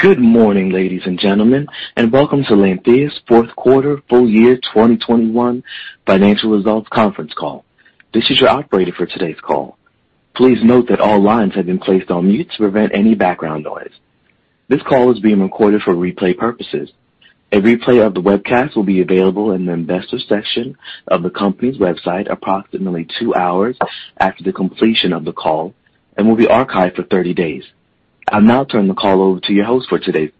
Good morning, ladies and gentlemen, and welcome to Lantheus' fourth quarter full year 2021 financial results conference call. This is your operator for today's call. Please note that all lines have been placed on mute to prevent any background noise. This call is being recorded for replay purposes. A replay of the webcast will be available in the investor section of the company's website approximately two hours after the completion of the call and will be archived for 30 days. I'll now turn the call over to your host for today,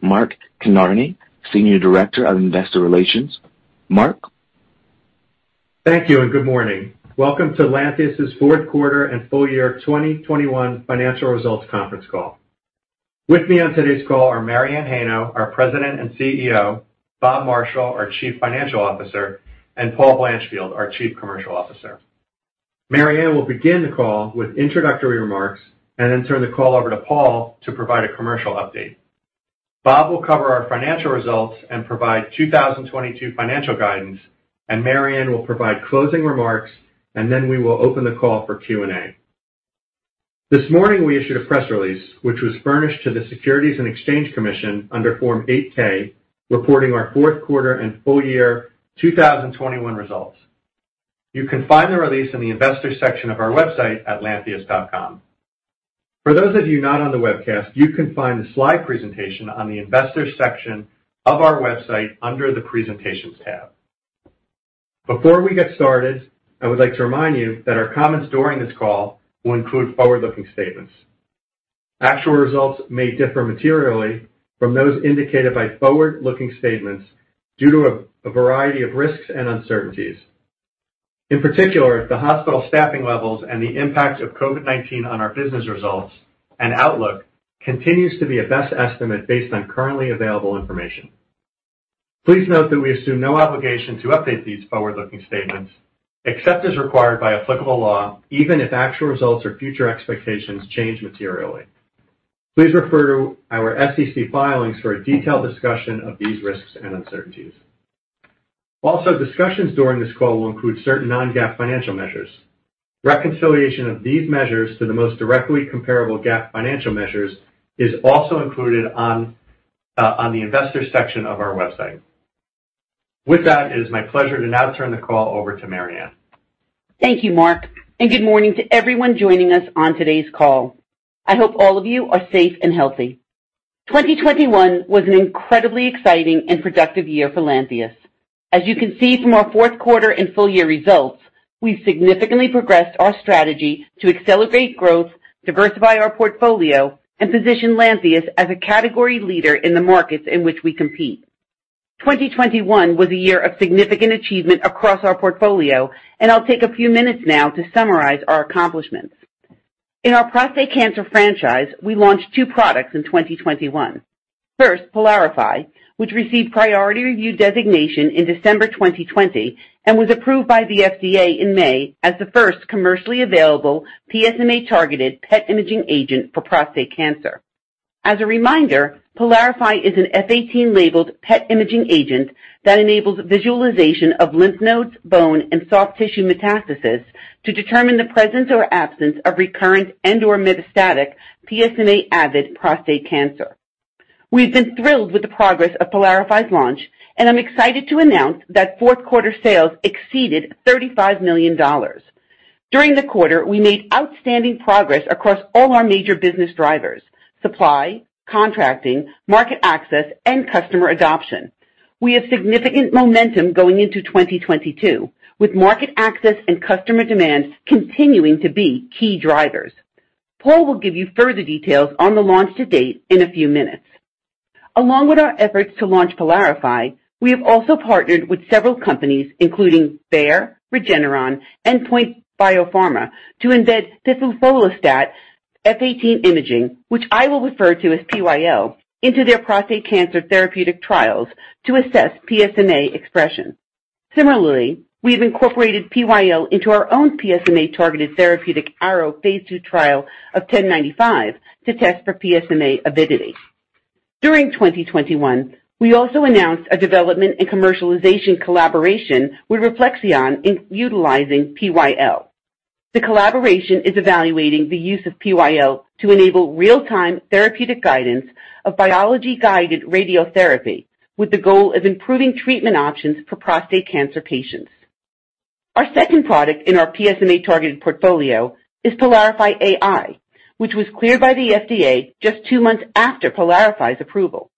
Mark Kinarney, Senior Director of Investor Relations. Mark. Thank you and good morning. Welcome to Lantheus' fourth quarter and full year 2021 financial results conference call. With me on today's call are Mary Anne Heino, our President and CEO, Bob Marshall, our Chief Financial Officer, and Paul Blanchfield, our Chief Commercial Officer. Mary Anne will begin the call with introductory remarks and then turn the call over to Paul to provide a commercial update. Bob will cover our financial results and provide 2022 financial guidance, and Mary Anne will provide closing remarks, and then we will open the call for Q&A. This morning, we issued a press release which was furnished to the Securities and Exchange Commission under Form 8-K, reporting our fourth quarter and full year 2021 results. You can find the release in the Investors section of our website at lantheus.com. For those of you not on the webcast, you can find the slide presentation on the investors section of our website under the Presentations tab. Before we get started, I would like to remind you that our comments during this call will include forward-looking statements. Actual results may differ materially from those indicated by forward-looking statements due to a variety of risks and uncertainties. In particular, the hospital staffing levels and the impacts of COVID-19 on our business results and outlook continues to be a best estimate based on currently available information. Please note that we assume no obligation to update these forward-looking statements, except as required by applicable law, even if actual results or future expectations change materially. Please refer to our SEC filings for a detailed discussion of these risks and uncertainties. Also, discussions during this call will include certain non-GAAP financial measures. Reconciliation of these measures to the most directly comparable GAAP financial measures is also included on the investor section of our website. With that, it is my pleasure to now turn the call over to Mary Anne. Thank you, Mark, and good morning to everyone joining us on today's call. I hope all of you are safe and healthy. 2021 was an incredibly exciting and productive year for Lantheus. As you can see from our fourth quarter and full year results, we've significantly progressed our strategy to accelerate growth, diversify our portfolio, and position Lantheus as a category leader in the markets in which we compete. 2021 was a year of significant achievement across our portfolio, and I'll take a few minutes now to summarize our accomplishments. In our prostate cancer franchise, we launched two products in 2021. First, PYLARIFY, which received priority review designation in December 2020 and was approved by the FDA in May as the first commercially available PSMA-targeted PET imaging agent for prostate cancer. As a reminder, PYLARIFY is an F 18-labeled PET imaging agent that enables visualization of lymph nodes, bone, and soft tissue metastasis to determine the presence or absence of recurrent and/or metastatic PSMA-avid prostate cancer. We've been thrilled with the progress of PYLARIFY's launch, and I'm excited to announce that fourth quarter sales exceeded $35 million. During the quarter, we made outstanding progress across all our major business drivers: supply, contracting, market access, and customer adoption. We have significant momentum going into 2022, with market access and customer demand continuing to be key drivers. Paul will give you further details on the launch to date in a few minutes. Along with our efforts to launch PYLARIFY, we have also partnered with several companies, including Bayer, Regeneron, and POINT Biopharma, to embed piflufolastat F 18 imaging, which I will refer to as PyL, into their prostate cancer therapeutic trials to assess PSMA expression. Similarly, we have incorporated PyL into our own PSMA-targeted therapeutic ARROW phase II trial of 1095 to test for PSMA avidity. During 2021, we also announced a development and commercialization collaboration with RefleXion in utilizing PyL. The collaboration is evaluating the use of PyL to enable real-time therapeutic guidance of biology-guided radiotherapy, with the goal of improving treatment options for prostate cancer patients. Our second product in our PSMA-targeted portfolio is PYLARIFY AI, which was cleared by the FDA just two months after PYLARIFY's approval.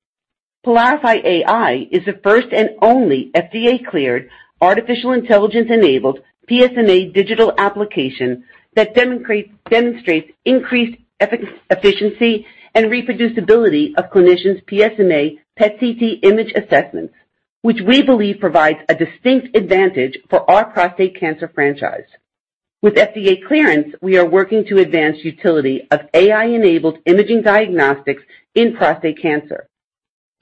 PYLARIFY AI is the first and only FDA-cleared artificial intelligence-enabled PSMA digital application that demonstrates increased efficiency and reproducibility of clinicians' PSMA PET CT image assessments, which we believe provides a distinct advantage for our prostate cancer franchise. With FDA clearance, we are working to advance utility of AI-enabled imaging diagnostics in prostate cancer.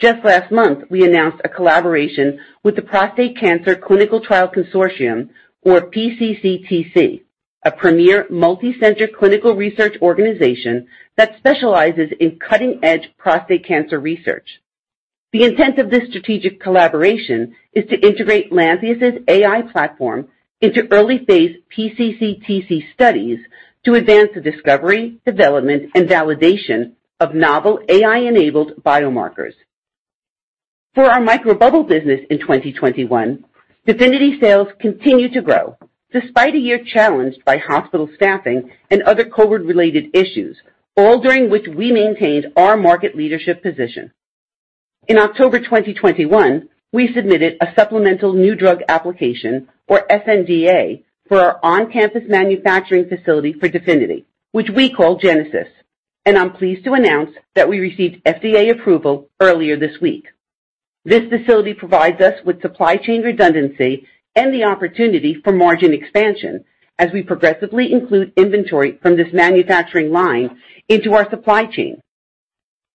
Just last month, we announced a collaboration with the Prostate Cancer Clinical Trials Consortium, or PCCTC, a premier multi-center clinical research organization that specializes in cutting-edge prostate cancer research. The intent of this strategic collaboration is to integrate Lantheus's AI platform into early phase PCCTC studies to advance the discovery, development and validation of novel AI-enabled biomarkers. For our MicroBubble business in 2021, DEFINITY sales continued to grow despite a year challenged by hospital staffing and other COVID-related issues, all during which we maintained our market leadership position. In October 2021, we submitted a supplemental new drug application, or sNDA, for our on-campus manufacturing facility for DEFINITY, which we call Genesis, and I'm pleased to announce that we received FDA approval earlier this week. This facility provides us with supply chain redundancy and the opportunity for margin expansion as we progressively include inventory from this manufacturing line into our supply chain.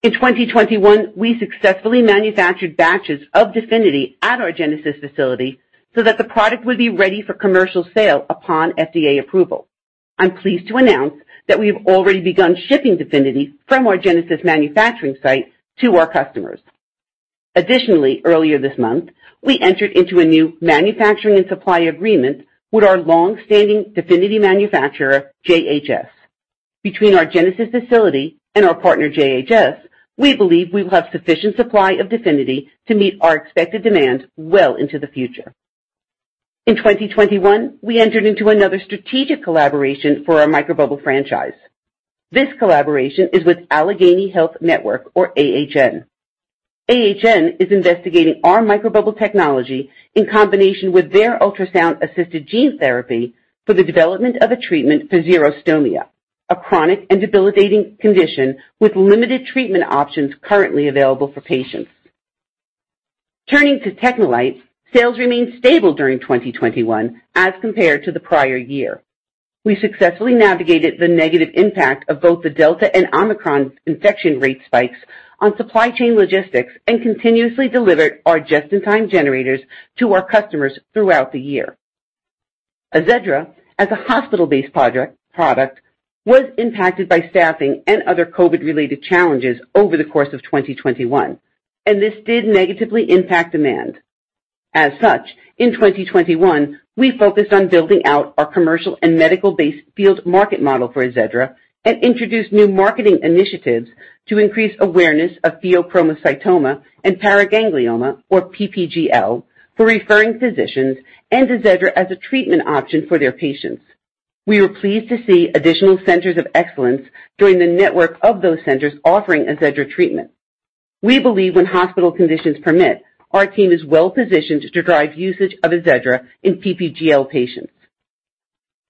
In 2021, we successfully manufactured batches of DEFINITY at our Genesis facility so that the product would be ready for commercial sale upon FDA approval. I'm pleased to announce that we have already begun shipping DEFINITY from our Genesis manufacturing site to our customers. Additionally, earlier this month, we entered into a new manufacturing and supply agreement with our long-standing DEFINITY manufacturer, JHS. Between our Genesis facility and our partner, JHS, we believe we will have sufficient supply of DEFINITY to meet our expected demand well into the future. In 2021, we entered into another strategic collaboration for our MicroBubble franchise. This collaboration is with Allegheny Health Network, or AHN. AHN is investigating our MicroBubble technology in combination with their ultrasound-assisted gene therapy for the development of a treatment for xerostomia, a chronic and debilitating condition with limited treatment options currently available for patients. Turning to TechneLite, sales remained stable during 2021 as compared to the prior year. We successfully navigated the negative impact of both the Delta and Omicron infection rate spikes on supply chain logistics and continuously delivered our just-in-time generators to our customers throughout the year. AZEDRA, as a hospital-based product, was impacted by staffing and other COVID-related challenges over the course of 2021, and this did negatively impact demand. As such, in 2021, we focused on building out our commercial and medical base field market model for AZEDRA and introduced new marketing initiatives to increase awareness of Pheochromocytoma and Paraganglioma, or PPGL, for referring physicians and AZEDRA as a treatment option for their patients. We were pleased to see additional centers of excellence join the network of those centers offering AZEDRA treatment. We believe when hospital conditions permit, our team is well-positioned to drive usage of AZEDRA in PPGL patients.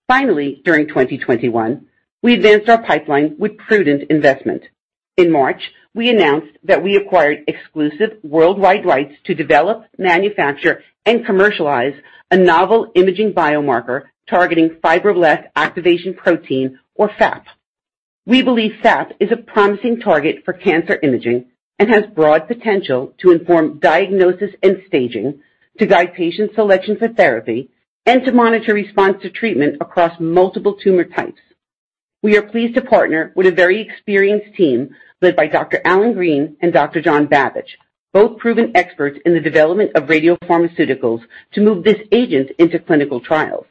Finally, during 2021, we advanced our pipeline with prudent investment. In March, we announced that we acquired exclusive worldwide rights to develop, manufacture, and commercialize a novel imaging biomarker targeting Fibroblast Activation Protein, or FAP. We believe FAP is a promising target for cancer imaging and has broad potential to inform diagnosis and staging, to guide patient selection for therapy, and to monitor response to treatment across multiple tumor types. We are pleased to partner with a very experienced team led by Dr. Alan Green and Dr. John Babich, both proven experts in the development of radiopharmaceuticals to move this agent into clinical trials.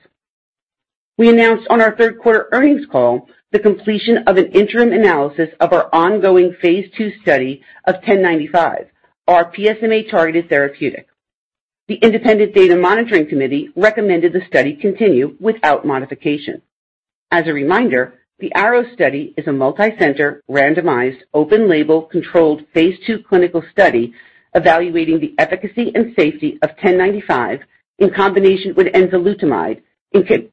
We announced on our third quarter earnings call the completion of an interim analysis of our ongoing phase II study of 1095, our PSMA-targeted therapeutic. The independent data monitoring committee recommended the study continue without modification. As a reminder, the ARROW study is a multicenter randomized open label controlled phase II clinical study evaluating the efficacy and safety of 1095 in combination with enzalutamide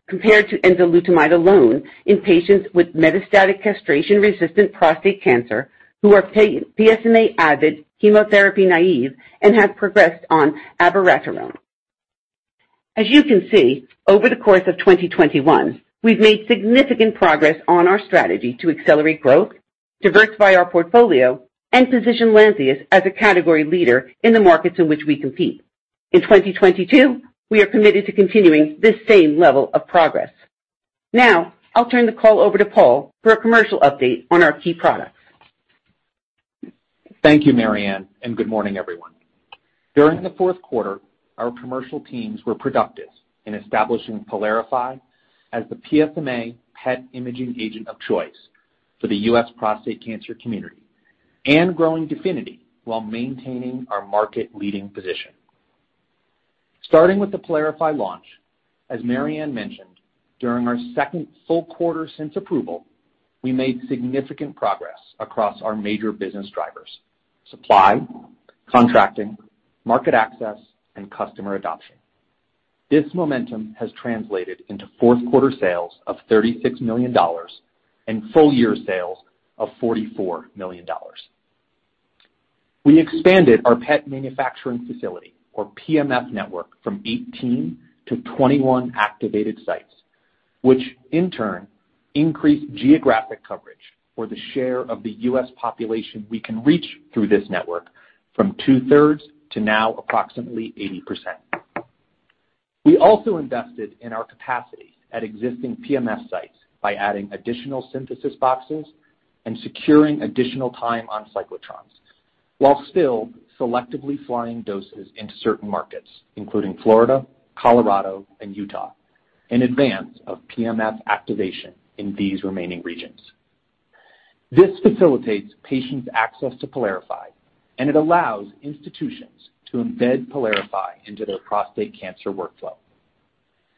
compared to enzalutamide alone in patients with metastatic castration-resistant prostate cancer who are PSMA avid chemotherapy naive and have progressed on abiraterone. As you can see, over the course of 2021, we've made significant progress on our strategy to accelerate growth, diversify our portfolio, and position Lantheus as a category leader in the markets in which we compete. In 2022, we are committed to continuing this same level of progress. Now, I'll turn the call over to Paul for a commercial update on our key products. Thank you, Mary Anne, and good morning, everyone. During the fourth quarter, our commercial teams were productive in establishing PYLARIFY as the PSMA PET imaging agent of choice for the U.S. prostate cancer community and growing DEFINITY while maintaining our market leading position. Starting with the PYLARIFY launch, as Mary Anne mentioned, during our second full quarter since approval, we made significant progress across our major business drivers, supply, contracting, market access, and customer adoption. This momentum has translated into fourth quarter sales of $36 million and full year sales of $44 million. We expanded our PET manufacturing facility, or PMF network, from 18 to 21 activated sites, which in turn increased geographic coverage for the share of the U.S. population we can reach through this network from 2/3 to now approximately 80%. We also invested in our capacity at existing PMF sites by adding additional synthesis boxes and securing additional time on cyclotrons, while still selectively flying doses into certain markets, including Florida, Colorado, and Utah, in advance of PMF activation in these remaining regions. This facilitates patients' access to PYLARIFY, and it allows institutions to embed PYLARIFY into their prostate cancer workflow.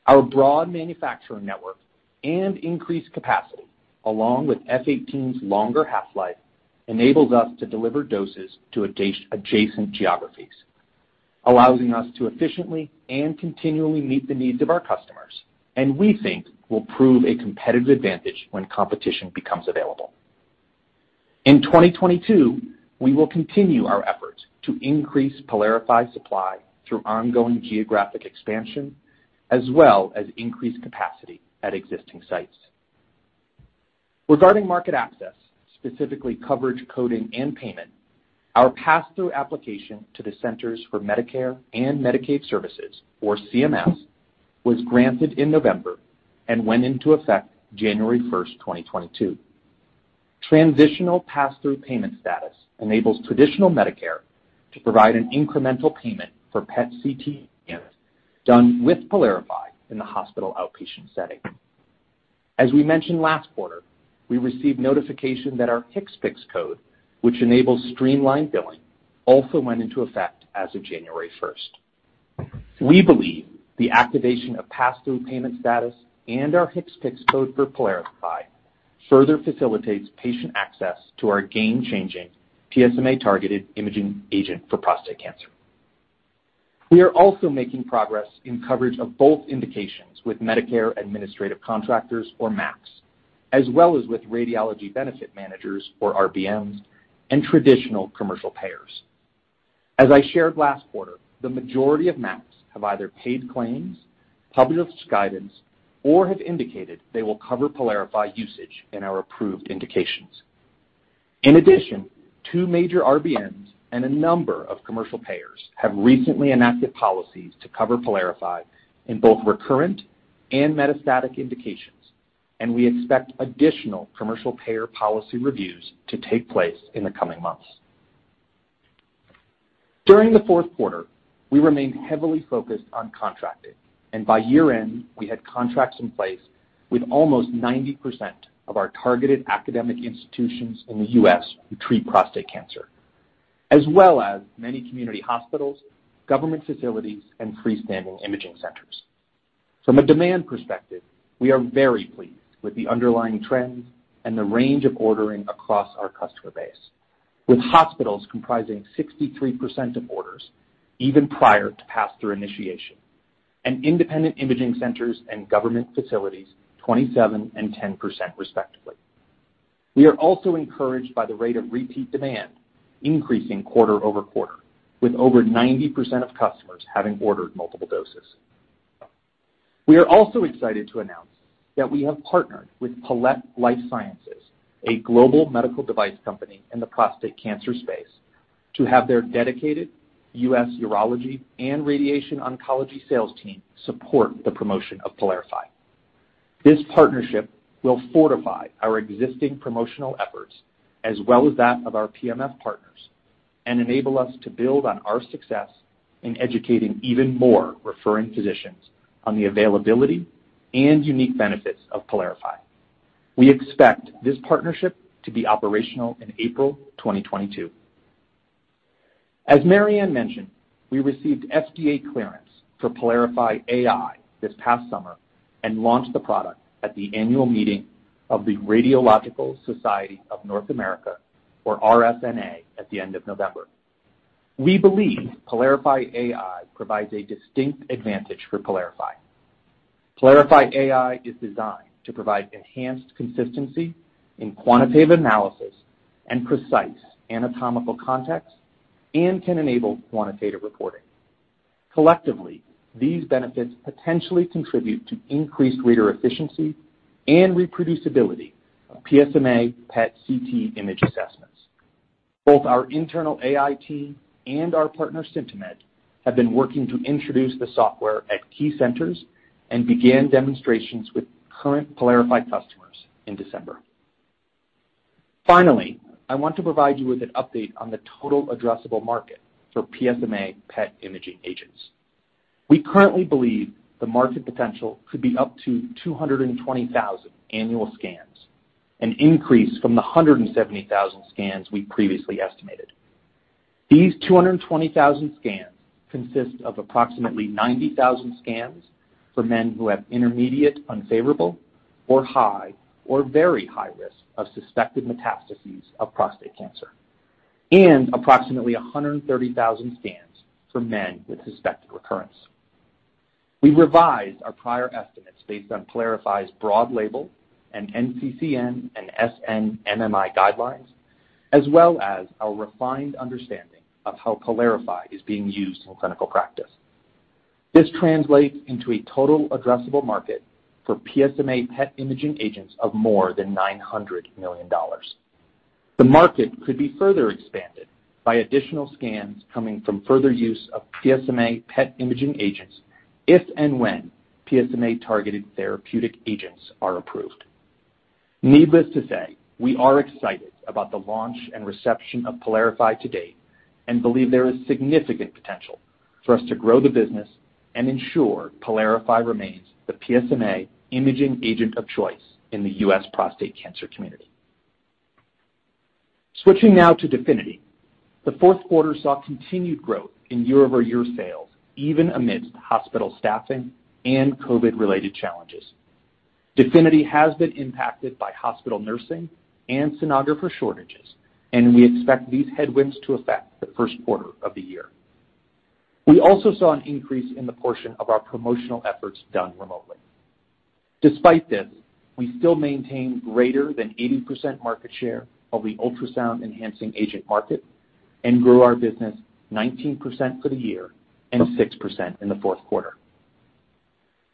Our broad manufacturing network and increased capacity, along with F 18's longer half-life, enables us to deliver doses to adjacent geographies, allowing us to efficiently and continually meet the needs of our customers, and we think will prove a competitive advantage when competition becomes available. In 2022, we will continue our efforts to increase PYLARIFY supply through ongoing geographic expansion as well as increased capacity at existing sites. Regarding market access, specifically coverage, coding, and payment, our pass-through application to the Centers for Medicare & Medicaid Services, or CMS, was granted in November and went into effect January 1st, 2022. Transitional pass-through payment status enables traditional Medicare to provide an incremental payment for PET CT scans done with PYLARIFY in the hospital outpatient setting. As we mentioned last quarter, we received notification that our HCPCS code, which enables streamlined billing, also went into effect as of January 1st. We believe the activation of pass-through payment status and our HCPCS code for PYLARIFY further facilitates patient access to our game-changing PSMA-targeted imaging agent for prostate cancer. We are also making progress in coverage of both indications with Medicare administrative contractors or MACs, as well as with radiology benefit managers or RBMs, and traditional commercial payers. As I shared last quarter, the majority of MACs have either paid claims, published guidance, or have indicated they will cover PYLARIFY usage in our approved indications. In addition, two major RBMs and a number of commercial payers have recently enacted policies to cover PYLARIFY in both recurrent and metastatic indications, and we expect additional commercial payer policy reviews to take place in the coming months. During the fourth quarter, we remained heavily focused on contracting, and by year-end, we had contracts in place with almost 90% of our targeted academic institutions in the U.S. who treat prostate cancer, as well as many community hospitals, government facilities, and freestanding imaging centers. From a demand perspective, we are very pleased with the underlying trends and the range of ordering across our customer base, with hospitals comprising 63% of orders even prior to pass-through initiation, and independent imaging centers and government facilities 27% and 10%, respectively. We are also encouraged by the rate of repeat demand increasing quarter-over-quarter, with over 90% of customers having ordered multiple doses. We are also excited to announce that we have partnered with Palette Life Sciences, a global medical device company in the prostate cancer space, to have their dedicated U.S. urology and radiation oncology sales team support the promotion of PYLARIFY. This partnership will fortify our existing promotional efforts as well as that of our PMF partners and enable us to build on our success in educating even more referring physicians on the availability and unique benefits of PYLARIFY. We expect this partnership to be operational in April 2022. As Mary Anne mentioned, we received FDA clearance for PYLARIFY AI this past summer and launched the product at the annual meeting of the Radiological Society of North America, or RSNA, at the end of November. We believe PYLARIFY AI provides a distinct advantage for PYLARIFY. PYLARIFY AI is designed to provide enhanced consistency in quantitative analysis and precise anatomical context and can enable quantitative reporting. Collectively, these benefits potentially contribute to increased reader efficiency and reproducibility of PSMA PET CT image assessments. Both our internal AI team and our partner, Syntermed, have been working to introduce the software at key centers and began demonstrations with current PYLARIFY customers in December. Finally, I want to provide you with an update on the total addressable market for PSMA PET imaging agents. We currently believe the market potential could be up to 220,000 annual scans, an increase from the 170,000 scans we previously estimated. These 220,000 scans consist of approximately 90,000 scans for men who have intermediate unfavorable or high or very high risk of suspected metastases of prostate cancer and approximately 130,000 scans for men with suspected recurrence. We revised our prior estimates based on PYLARIFY's broad label and NCCN and SNMMI guidelines, as well as our refined understanding of how PYLARIFY is being used in clinical practice. This translates into a total addressable market for PSMA PET imaging agents of more than $900 million. The market could be further expanded by additional scans coming from further use of PSMA PET imaging agents if and when PSMA-targeted therapeutic agents are approved. Needless to say, we are excited about the launch and reception of PYLARIFY to date, and believe there is significant potential for us to grow the business and ensure PYLARIFY remains the PSMA imaging agent of choice in the U.S. prostate cancer community. Switching now to DEFINITY. The fourth quarter saw continued growth in year-over-year sales even amidst hospital staffing and COVID-related challenges. DEFINITY has been impacted by hospital nursing and sonographer shortages, and we expect these headwinds to affect the first quarter of the year. We also saw an increase in the portion of our promotional efforts done remotely. Despite this, we still maintain greater than 80% market share of the ultrasound enhancing agent market and grew our business 19% for the year and 6% in the fourth quarter.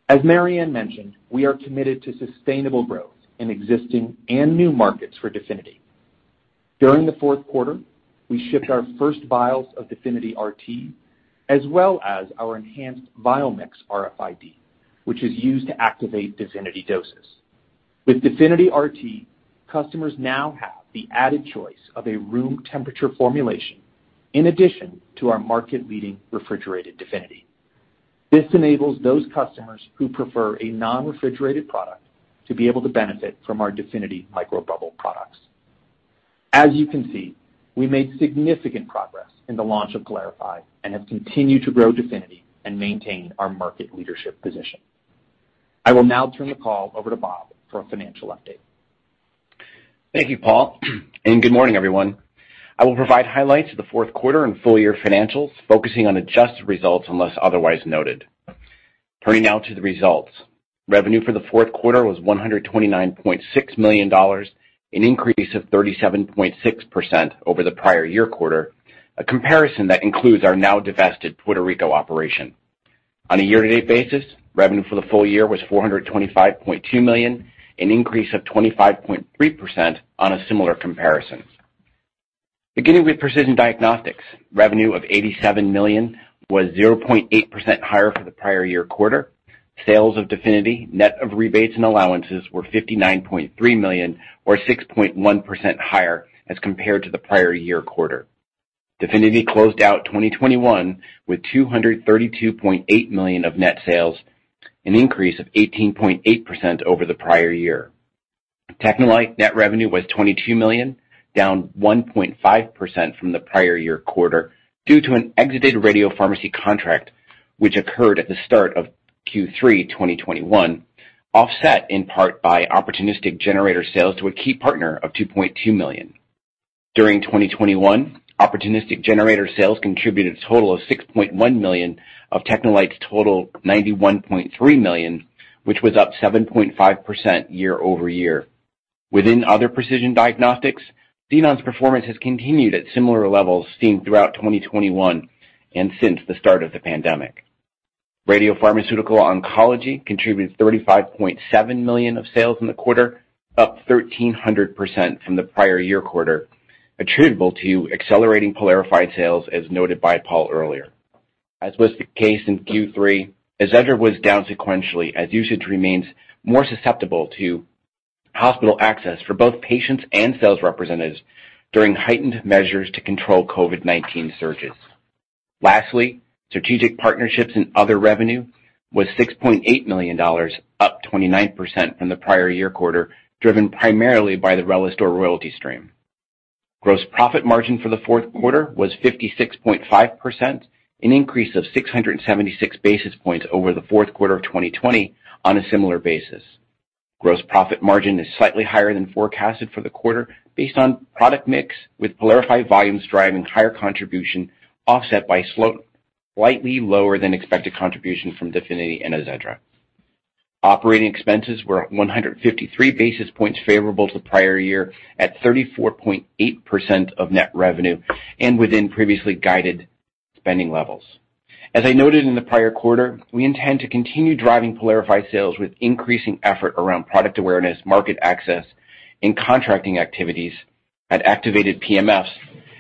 As Mary Anne mentioned, we are committed to sustainable growth in existing and new markets for DEFINITY. During the fourth quarter, we shipped our first vials of DEFINITY RT as well as our enhanced VIALMIX RFID, which is used to activate DEFINITY doses. With DEFINITY RT, customers now have the added choice of a room temperature formulation in addition to our market-leading refrigerated DEFINITY. This enables those customers who prefer a non-refrigerated product to be able to benefit from our DEFINITY microbubble products. As you can see, we made significant progress in the launch of PYLARIFY and have continued to grow DEFINITY and maintain our market leadership position. I will now turn the call over to Bob for a financial update. Thank you, Paul. Good morning, everyone. I will provide highlights of the fourth quarter and full year financials, focusing on adjusted results unless otherwise noted. Turning now to the results. Revenue for the fourth quarter was $129.6 million, an increase of 37.6% over the prior year quarter, a comparison that includes our now divested Puerto Rico operation. On a year-to-date basis, revenue for the full year was $425.2 million, an increase of 25.3% on a similar comparison. Beginning with Precision Diagnostics, revenue of $87 million was 0.8% higher for the prior year quarter. Sales of DEFINITY, net of rebates and allowances, were $59.3 million or 6.1% higher as compared to the prior year quarter. DEFINITY closed out 2021 with $232.8 million of net sales, an increase of 18.8% over the prior year. TechneLite net revenue was $22 million, down 1.5% from the prior year quarter due to an exited radiopharmacy contract, which occurred at the start of Q3 2021, offset in part by opportunistic generator sales to a key partner of $2.2 million. During 2021, opportunistic generator sales contributed a total of $6.1 million of TechneLite's total $91.3 million, which was up 7.5% year over year. Within other precision diagnostics, Xenon's performance has continued at similar levels seen throughout 2021 and since the start of the pandemic. Radiopharmaceutical oncology contributed $35.7 million of sales in the quarter, up 1,300% from the prior year quarter, attributable to accelerating PYLARIFY sales as noted by Paul earlier. As was the case in Q3, AZEDRA was down sequentially as usage remains more susceptible to hospital access for both patients and sales representatives during heightened measures to control COVID-19 surges. Lastly, strategic partnerships and other revenue was $6.8 million, up 29% from the prior year quarter, driven primarily by the RELISTOR royalty stream. Gross profit margin for the fourth quarter was 56.5%, an increase of 676 basis points over the fourth quarter of 2020 on a similar basis. Gross profit margin is slightly higher than forecasted for the quarter based on product mix, with PYLARIFY volumes driving higher contribution offset by slightly lower than expected contribution from DEFINITY and AZEDRA. Operating expenses were 153 basis points favorable to the prior year at 34.8% of net revenue and within previously guided spending levels. As I noted in the prior quarter, we intend to continue driving PYLARIFY sales with increasing effort around product awareness, market access in contracting activities at activated PMFs,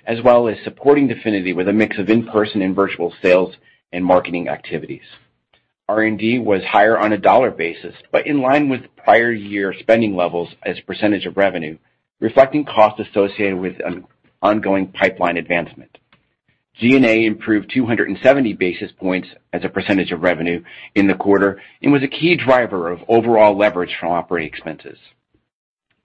as well as supporting DEFINITY with a mix of in-person and virtual sales and marketing activities. R&D was higher on a dollar basis but in line with prior year spending levels as a percentage of revenue, reflecting costs associated with an ongoing pipeline advancement. G&A improved 270 basis points as a percentage of revenue in the quarter and was a key driver of overall leverage from operating expenses.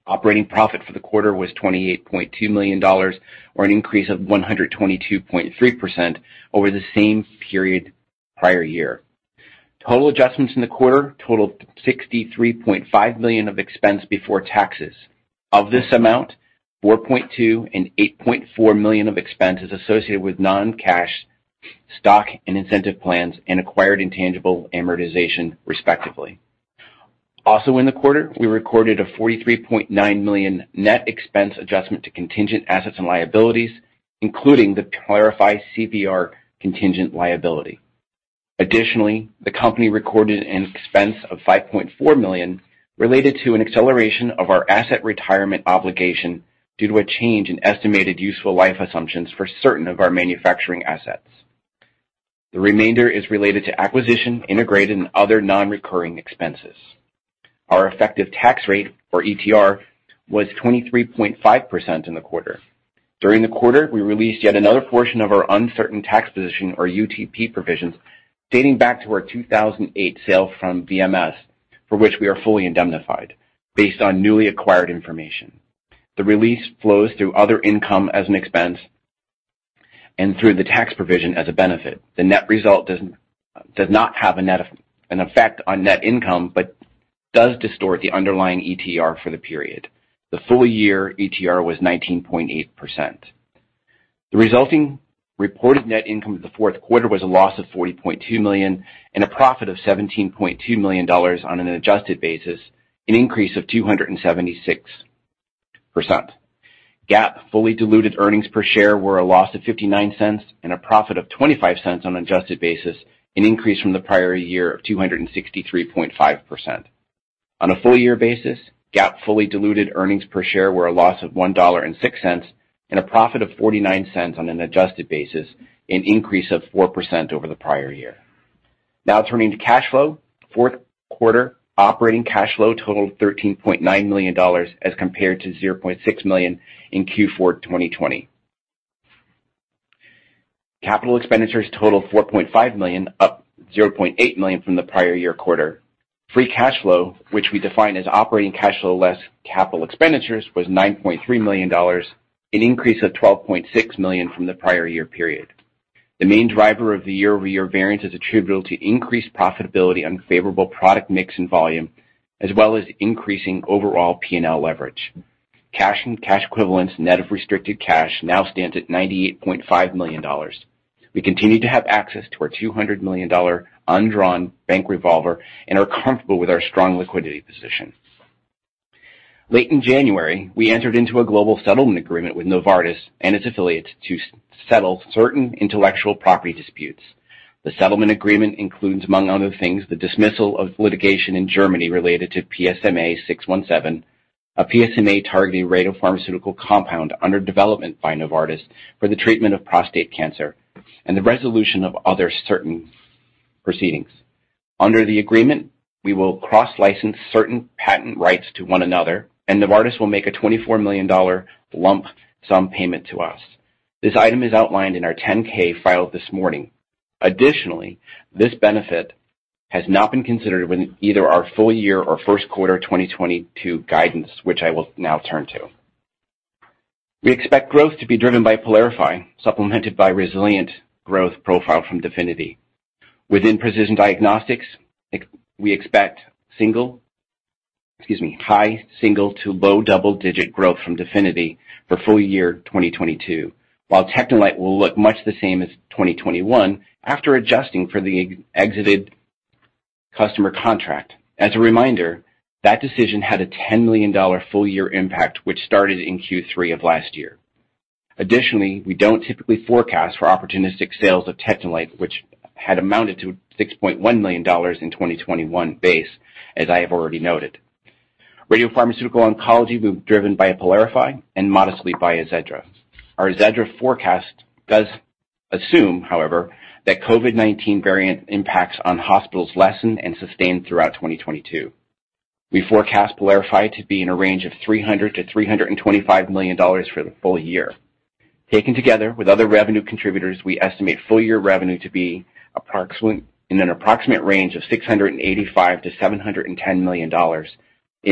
Operating profit for the quarter was $28.2 million or an increase of 122.3% over the same period prior year. Total adjustments in the quarter totaled $63.5 million of expense before taxes. Of this amount, $4.2 million and $8.4 million of expenses associated with non-cash stock and incentive plans and acquired intangible amortization, respectively. Also in the quarter, we recorded a $43.9 million net expense adjustment to contingent assets and liabilities, including the PYLARIFY CVR contingent liability. Additionally, the company recorded an expense of $5.4 million related to an acceleration of our asset retirement obligation due to a change in estimated useful life assumptions for certain of our manufacturing assets. The remainder is related to acquisition integration and other non-recurring expenses. Our effective tax rate, or ETR, was 23.5% in the quarter. During the quarter, we released yet another portion of our uncertain tax position, or UTP provisions, dating back to our 2008 sale from BMS, for which we are fully indemnified based on newly acquired information. The release flows through other income as an expense and through the tax provision as a benefit. The net result does not have an effect on net income, but does distort the underlying ETR for the period. The full-year ETR was 19.8%. The resulting reported net income of the fourth quarter was a loss of $40.2 million and a profit of $17.2 million on an adjusted basis, an increase of 276%. GAAP fully diluted earnings per share were a loss of $0.59 and a profit of $0.25 on adjusted basis, an increase from the prior year of 263.5%. On a full-year basis, GAAP fully diluted earnings per share were a loss of $1.06 and a profit of $0.49 on an adjusted basis, an increase of 4% over the prior year. Now turning to cash flow. Fourth quarter operating cash flow totaled $13.9 million as compared to $0.6 million in Q4 2020. Capital expenditures totaled $4.5 million, up $0.8 million from the prior year quarter. Free cash flow, which we define as operating cash flow less capital expenditures, was $9.3 million, an increase of $12.6 million from the prior year period. The main driver of the year-over-year variance is attributable to increased profitability, favorable product mix and volume, as well as increasing overall P&L leverage. Cash and cash equivalents, net of restricted cash, now stands at $98.5 million. We continue to have access to our $200 million undrawn bank revolver and are comfortable with our strong liquidity position. Late in January, we entered into a global settlement agreement with Novartis and its affiliates to settle certain intellectual property disputes. The settlement agreement includes, among other things, the dismissal of litigation in Germany related to PSMA-617, a PSMA-targeting radiopharmaceutical compound under development by Novartis for the treatment of prostate cancer, and the resolution of other certain proceedings. Under the agreement, we will cross-license certain patent rights to one another, and Novartis will make a $24 million lump sum payment to us. This item is outlined in our 10-K filed this morning. Additionally, this benefit has not been considered when either our full year or first quarter 2022 guidance, which I will now turn to. We expect growth to be driven by PYLARIFY, supplemented by resilient growth profile from DEFINITY. Within precision diagnostics, we expect single... Excuse me, high single-digit to low double-digit growth from DEFINITY for full year 2022, while TechneLite will look much the same as 2021 after adjusting for the exited customer contract. As a reminder, that decision had a $10 million full year impact, which started in Q3 of last year. Additionally, we don't typically forecast for opportunistic sales of TechneLite, which had amounted to $6.1 million in 2021, based as I have already noted. Radiopharmaceutical oncology will be driven by PYLARIFY and modestly by AZEDRA. Our AZEDRA forecast does assume, however, that COVID-19 variant impacts on hospitals lessen and sustain throughout 2022. We forecast PYLARIFY to be in a range of $300 million-$325 million for the full year. Taken together with other revenue contributors, we estimate full year revenue to be approximate, in an approximate range of $685 million-$710 million, an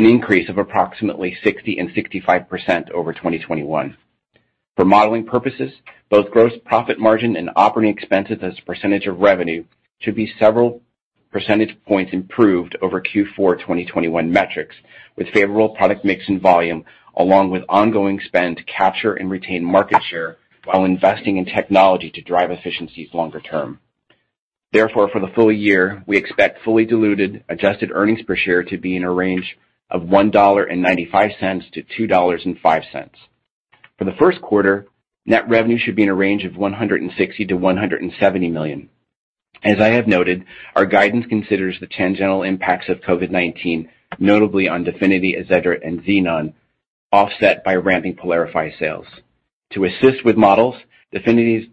increase of approximately 60%-65% over 2021. For modeling purposes, both gross profit margin and operating expenses as a percentage of revenue should be several percentage points improved over Q4 2021 metrics with favorable product mix and volume along with ongoing spend to capture and retain market share while investing in technology to drive efficiencies longer term. Therefore, for the full year, we expect fully diluted adjusted earnings per share to be in a range of $1.95-$2.05. For the first quarter, net revenue should be in a range of $160 million-$170 million. As I have noted, our guidance considers the tangential impacts of COVID-19, notably on DEFINITY, AZEDRA, and Xenon, offset by ramping PYLARIFY sales. To assist with models, DEFINITY's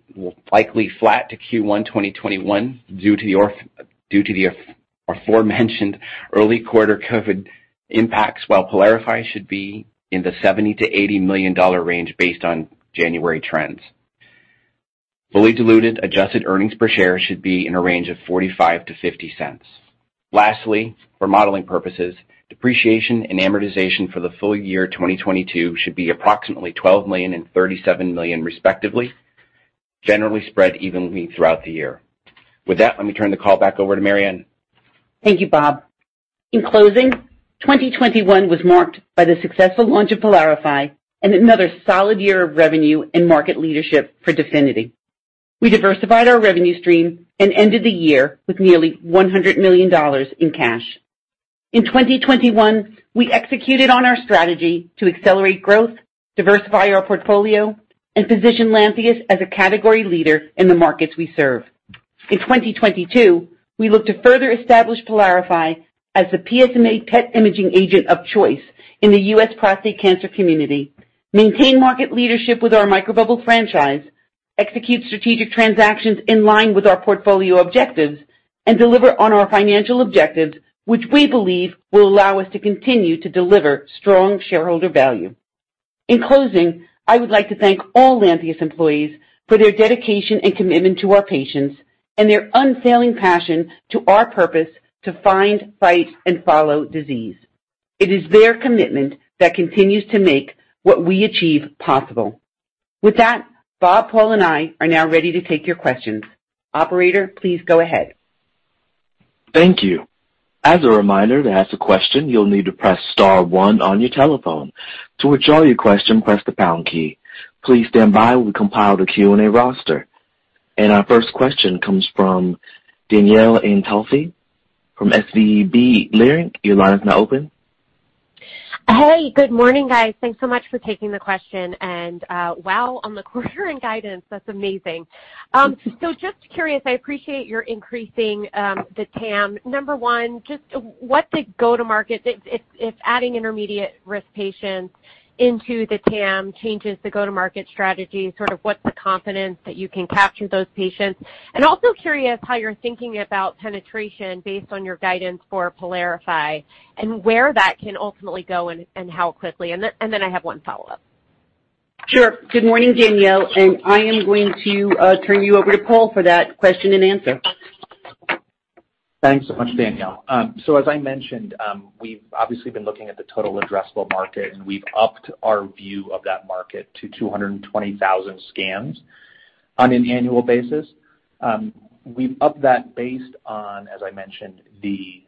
likely flat to Q1 2021 due to the aforementioned early quarter COVID impacts, while PYLARIFY should be in the $70 million-$80 million range based on January trends. Fully diluted adjusted earnings per share should be in a range of $0.45-$0.50. Lastly, for modeling purposes, depreciation and amortization for the full year 2022 should be approximately $12 million and $37 million respectively, generally spread evenly throughout the year. With that, let me turn the call back over to Mary Anne. Thank you, Bob. In closing, 2021 was marked by the successful launch of PYLARIFY and another solid year of revenue and market leadership for DEFINITY. We diversified our revenue stream and ended the year with nearly $100 million in cash. In 2021, we executed on our strategy to accelerate growth, diversify our portfolio, and position Lantheus as a category leader in the markets we serve. In 2022, we look to further establish PYLARIFY as the PSMA PET imaging agent of choice in the U.S. prostate cancer community, maintain market leadership with our microbubble franchise, execute strategic transactions in line with our portfolio objectives, and deliver on our financial objectives, which we believe will allow us to continue to deliver strong shareholder value. In closing, I would like to thank all Lantheus employees for their dedication and commitment to our patients and their unfailing passion to our purpose to find, fight, and follow disease. It is their commitment that continues to make what we achieve possible. With that, Bob, Paul, and I are now ready to take your questions. Operator, please go ahead. Thank you. As a reminder, to ask a question, you'll need to press star one on your telephone. To withdraw your question, press the pound key. Please stand by while we compile the Q&A roster. Our first question comes from Danielle Antalffy from SVB Leerink. Your line is now open. Hey, good morning, guys. Thanks so much for taking the question. Wow, on the quarter and guidance. That's amazing. Just curious, I appreciate your increasing the TAM. Number one, just what the go-to-market, if adding intermediate risk patients into the TAM changes the go-to-market strategy, sort of what's the confidence that you can capture those patients? Also curious how you're thinking about penetration based on your guidance for PYLARIFY and where that can ultimately go and how quickly. I have one follow-up. Sure. Good morning, Danielle, and I am going to turn you over to Paul for that question and answer. Thanks so much, Danielle. As I mentioned, we've obviously been looking at the total addressable market, and we've upped our view of that market to 220,000 scans on an annual basis. We've upped that based on, as I mentioned, the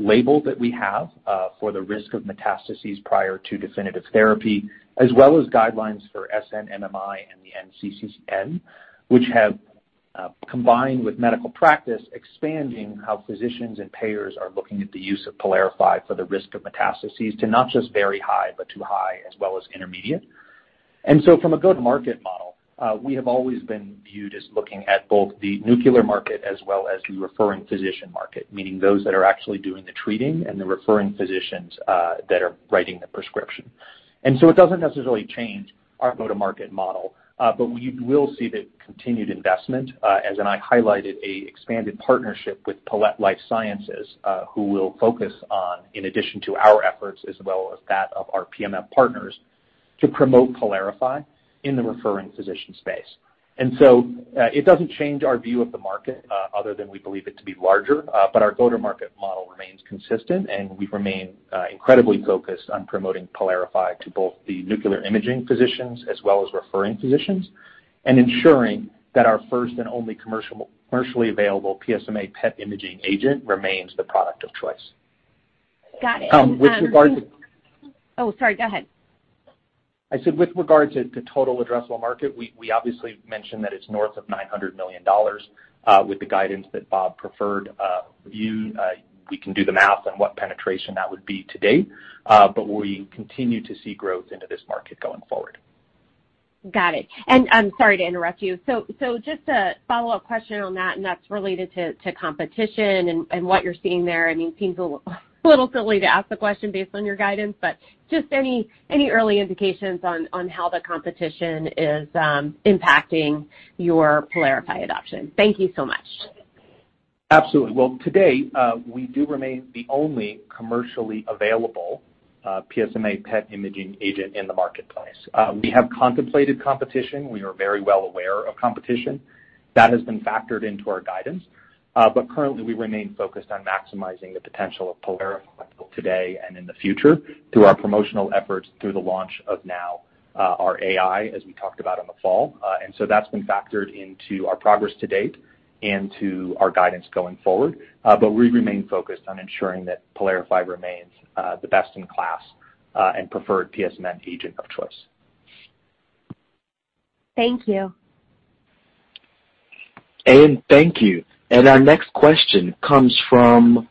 label that we have for the risk of metastases prior to definitive therapy, as well as guidelines for SNMMI and the NCCN, which have combined with medical practice expanding how physicians and payers are looking at the use of PYLARIFY for the risk of metastases to not just very high, but to high as well as intermediate. From a go-to-market model, we have always been viewed as looking at both the nuclear market as well as the referring physician market, meaning those that are actually doing the treating and the referring physicians that are writing the prescription. It doesn't necessarily change our go-to-market model, but you will see the continued investment, as I highlighted an expanded partnership with Palette Life Sciences, who will focus on, in addition to our efforts as well as that of our PMF partners, to promote PYLARIFY in the referring physician space. It doesn't change our view of the market, other than we believe it to be larger, but our go-to-market model remains consistent, and we remain incredibly focused on promoting PYLARIFY to both the nuclear imaging physicians as well as referring physicians and ensuring that our first and only commercial, commercially available PSMA PET imaging agent remains the product of choice. Got it. With regards- Oh, sorry, go ahead. I said with regards to total addressable market, we obviously mentioned that it's north of $900 million, with the guidance that Bob preferred review. You can do the math on what penetration that would be to date, but we continue to see growth into this market going forward. Got it. I'm sorry to interrupt you. Just a follow-up question on that, and that's related to competition and what you're seeing there. I mean, seems a little silly to ask the question based on your guidance, but just any early indications on how the competition is impacting your PYLARIFY adoption. Thank you so much. Absolutely. Well, to date, we do remain the only commercially available PSMA PET imaging agent in the marketplace. We have contemplated competition. We are very well aware of competition. That has been factored into our guidance, but currently, we remain focused on maximizing the potential of PYLARIFY both today and in the future through our promotional efforts, through the launch of now, our AI, as we talked about in the fall. That's been factored into our progress to date and to our guidance going forward. We remain focused on ensuring that PYLARIFY remains the best in class and preferred PSMA agent of choice. Thank you. Thank you. Our next question comes from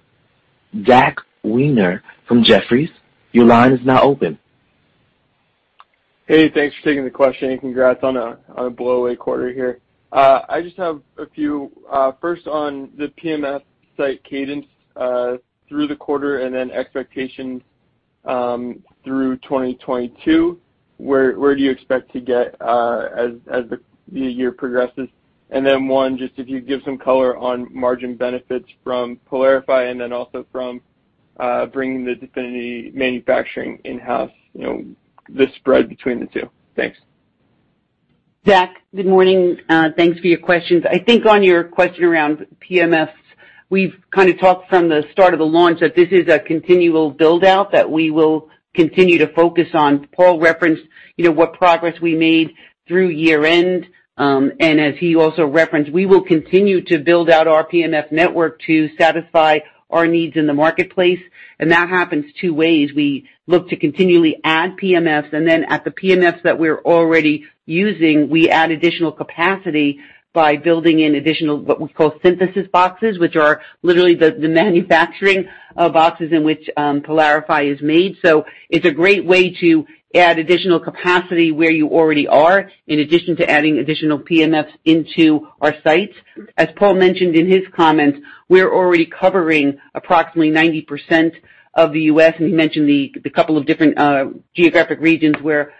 Zach Weiner from Jefferies. Your line is now open. Hey, thanks for taking the question, and congrats on a blow away quarter here. I just have a few first on the PMF site cadence through the quarter and then expectations through 2022. Where do you expect to get as the year progresses? Then one, just if you give some color on margin benefits from PYLARIFY and then also from bringing the DEFINITY manufacturing in-house, you know, the spread between the two. Thanks. Zach, good morning. Thanks for your questions. I think on your question around PMF. We've kind of talked from the start of the launch that this is a continual build-out that we will continue to focus on. Paul referenced, you know, what progress we made through year-end. As he also referenced, we will continue to build out our PMF network to satisfy our needs in the marketplace. That happens two ways. We look to continually add PMFs, and then at the PMFs that we're already using, we add additional capacity by building in additional what we call synthesis boxes, which are literally the manufacturing boxes in which PYLARIFY is made. It's a great way to add additional capacity where you already are in addition to adding additional PMFs into our sites. As Paul mentioned in his comments, we're already covering approximately 90% of the U.S., and he mentioned the couple of different geographic regions where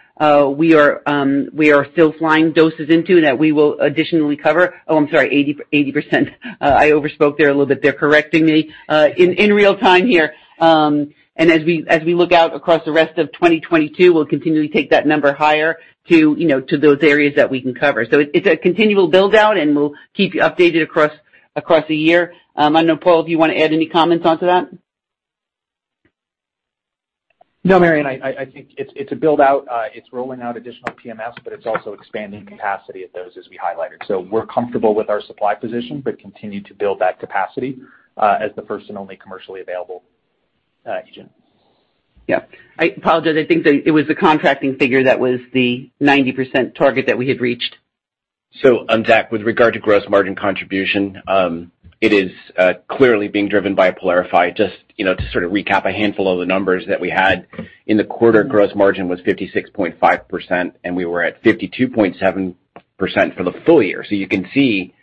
we are still flying doses into that we will additionally cover. Oh, I'm sorry, 80%. I overspoke there a little bit. They're correcting me in real-time here. As we look out across the rest of 2022, we'll continually take that number higher to you know to those areas that we can cover. It's a continual build-out, and we'll keep you updated across the year. I don't know, Paul, do you wanna add any comments onto that? No, Mary Anne, I think it's a build-out. It's rolling out additional PMFs, but it's also expanding capacity of those as we highlighted. We're comfortable with our supply position, but continue to build that capacity as the first and only commercially available agent. Yeah. I apologize. I think that it was the contracting figure that was the 90% target that we had reached. Zach, with regard to gross margin contribution, it is clearly being driven by PYLARIFY. Just, you know, to sort of recap a handful of the numbers that we had in the quarter, gross margin was 56.5%, and we were at 52.7% for the full year. You can see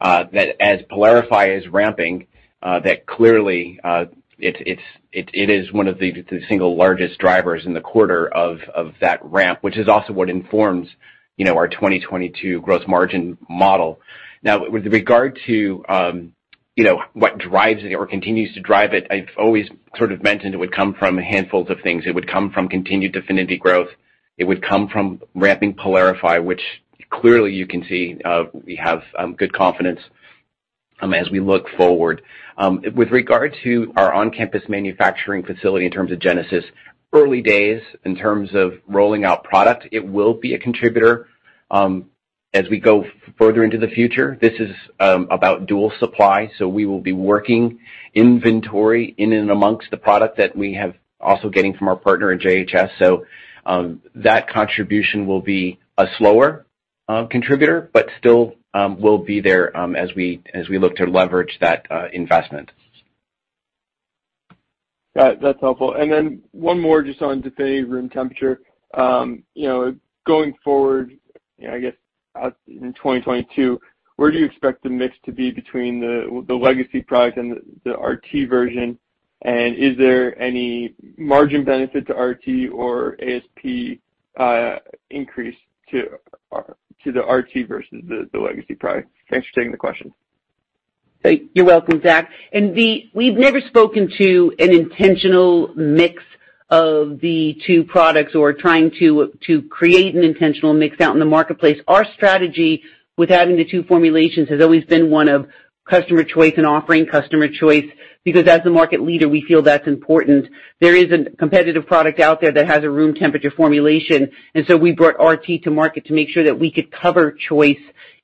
that as PYLARIFY is ramping, that clearly it is one of the single largest drivers in the quarter of that ramp, which is also what informs, you know, our 2022 gross margin model. Now, with regard to, you know, what drives it or continues to drive it, I've always sort of mentioned it would come from a handful of things. It would come from continued DEFINITY growth. It would come from ramping PYLARIFY, which clearly you can see, we have good confidence as we look forward. With regard to our on-campus manufacturing facility in terms of Genesis, early days in terms of rolling out product. It will be a contributor as we go further into the future. This is about dual supply, so we will be working inventory in and amongst the product that we have also getting from our partner at JHS. That contribution will be a slower contributor, but still will be there as we look to leverage that investment. Got it. That's helpful. One more just on DEFINITY room temperature. You know, going forward, you know, I guess out in 2022, where do you expect the mix to be between the legacy product and the RT version? Is there any margin benefit to RT or ASP increase to the RT versus the legacy product? Thanks for taking the question. You're welcome, Zach. We've never spoken to an intentional mix of the two products or trying to create an intentional mix out in the marketplace. Our strategy with having the two formulations has always been one of customer choice and offering customer choice because as the market leader, we feel that's important. There is a competitive product out there that has a room temperature formulation, and we brought RT to market to make sure that we could cover choice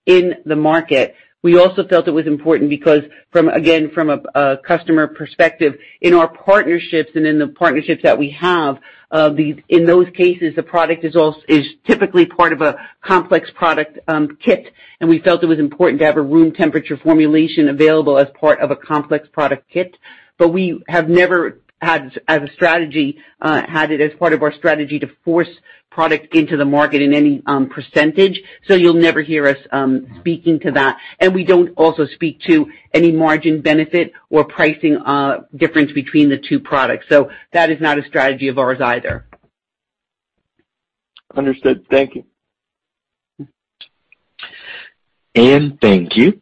in the market. We also felt it was important because from, again, from a customer perspective, in our partnerships and in the partnerships that we have, in those cases, the product is typically part of a complex product kit, and we felt it was important to have a room temperature formulation available as part of a complex product kit. We have never had it as part of our strategy to force product into the market in any percentage. You'll never hear us speaking to that. We don't also speak to any margin benefit or pricing difference between the two products. That is not a strategy of ours either. Understood. Thank you. Thank you.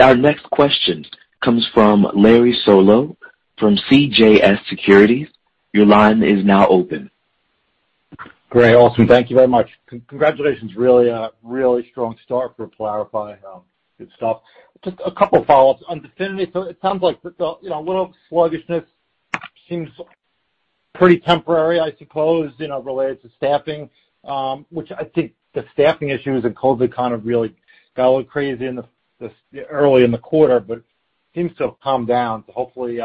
Our next question comes from Larry Solow from CJS Securities. Your line is now open. Great. Awesome. Thank you very much. Congratulations. Really, really strong start for PYLARIFY. Good stuff. Just a couple follow-ups. On DEFINITY, it sounds like the you know, a little sluggishness seems pretty temporary, I suppose, you know, related to staffing, which I think the staffing issues and COVID kind of really got a little crazy in the early in the quarter, but seems to have calmed down. Hopefully,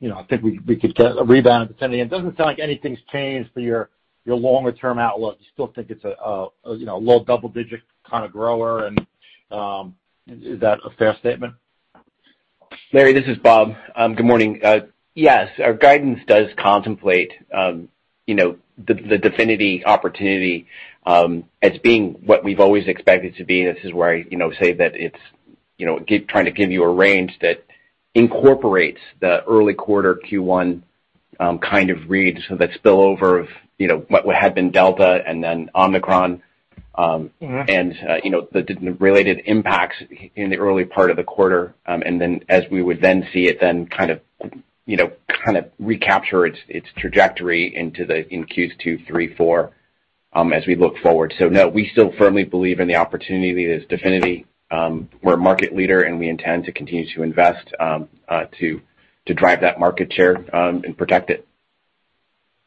you know, I think we could get a rebound at the end. Doesn't sound like anything's changed for your longer term outlook. You still think it's a you know, low double digit kinda grower and, is that a fair statement? Larry, this is Bob. Good morning. Yes, our guidance does contemplate, you know, the DEFINITY opportunity, as being what we've always expected to be, and this is where I, you know, say that it's, you know, trying to give you a range that incorporates the early quarter Q1, kind of read, so that spillover of, you know, what had been Delta and then Omicron. Mm-hmm. You know, the Delta-related impacts in the early part of the quarter. Then as we would see it kind of, you know, kind of recapture its trajectory into Q2, Q3, Q4. As we look forward. No, we still firmly believe in the opportunity that is DEFINITY. We're a market leader, and we intend to continue to invest to drive that market share and protect it.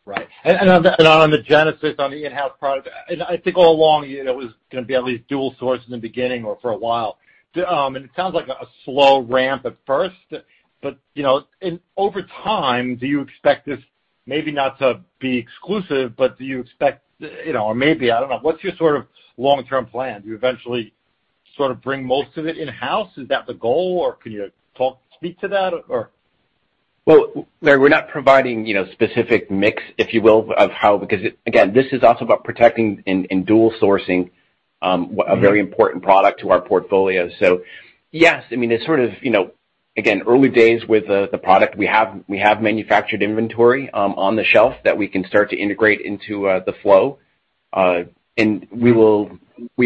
Right. On the Genesis on the in-house product, I think all along, you know, it was gonna be at least dual source in the beginning or for a while. It sounds like a slow ramp at first, but, you know, over time, do you expect this maybe not to be exclusive, but do you expect, you know, or maybe, I don't know, what's your sort of long-term plan? Do you eventually sort of bring most of it in-house? Is that the goal, or can you speak to that? Well, Larry, we're not providing, you know, specific mix, if you will, because, again, this is also about protecting and dual sourcing, a very important product to our portfolio. Yes, I mean, it's sort of, you know, again, early days with the product. We have manufactured inventory on the shelf that we can start to integrate into the flow. We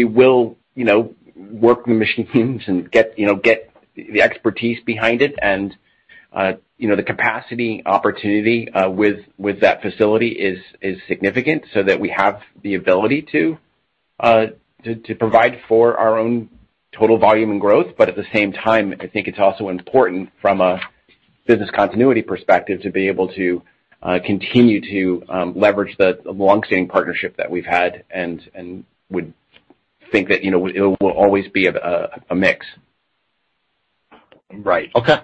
will, you know, work the machines and get the expertise behind it. You know, the capacity opportunity with that facility is significant so that we have the ability to provide for our own total volume and growth. At the same time, I think it's also important from a business continuity perspective to be able to continue to leverage the longstanding partnership that we've had and would think that, you know, it will always be a mix. Right. Okay.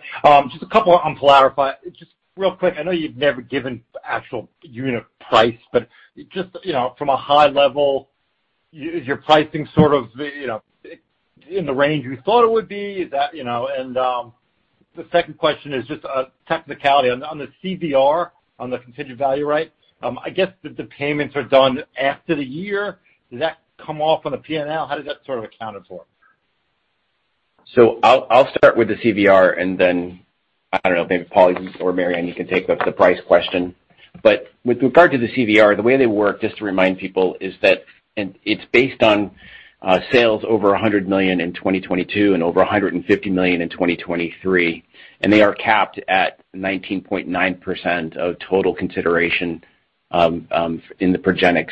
Just a couple on PYLARIFY. Just real quick, I know you've never given actual unit price, but just, you know, from a high level, is your pricing sort of, you know, in the range you thought it would be? Is that, you know. The second question is just a technicality. On the CVR, on the contingent value, right? I guess the payments are done after the year. Does that come off on the P&L? How does that sort of accounted for? I'll start with the CVR and then, I don't know, maybe Paul or Mary Anne, you can take up the price question. With regard to the CVR, the way they work, just to remind people, is that it's based on sales over $100 million in 2022 and over $150 million in 2023, and they are capped at 19.9% of total consideration in the Progenics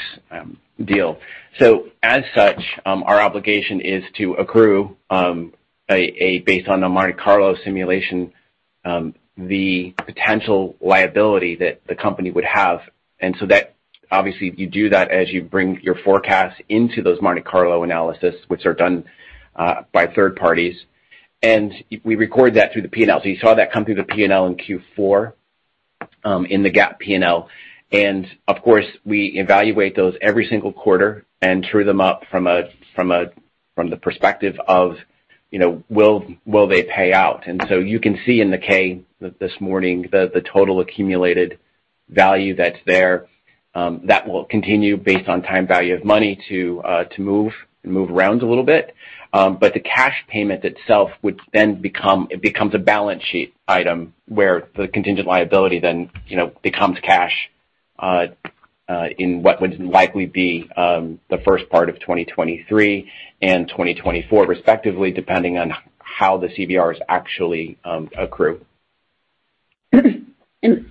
deal. As such, our obligation is to accrue based on the Monte Carlo simulation, the potential liability that the company would have. That, obviously, you do that as you bring your forecast into those Monte Carlo analysis, which are done by third parties. We record that through the P&L. You saw that come through the P&L in Q4, in the GAAP P&L. Of course, we evaluate those every single quarter and true them up from the perspective of, will they pay out. You can see in the 10-K this morning the total accumulated value that's there, that will continue based on time value of money to move around a little bit. But the cash payment itself then becomes a balance sheet item where the contingent liability then becomes cash, in what would likely be the first part of 2023 and 2024 respectively, depending on how the CVRs actually accrue.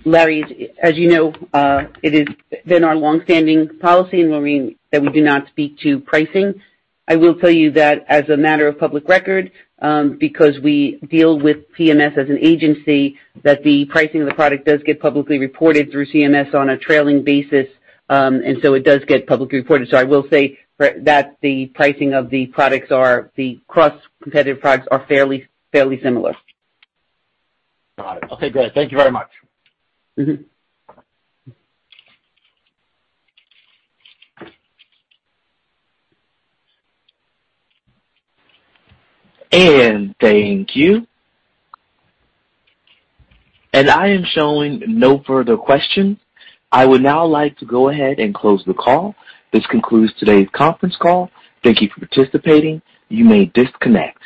Larry, as you know, it has been our long-standing policy that we do not speak to pricing. I will tell you that as a matter of public record, because we deal with PMF as an agency, that the pricing of the product does get publicly reported through CMS on a trailing basis, and so it does get publicly reported. I will say that the cross-competitive products are fairly similar. Got it. Okay, great. Thank you very much. Mm-hmm. Thank you. I am showing no further questions. I would now like to go ahead and close the call. This concludes today's conference call. Thank you for participating. You may disconnect.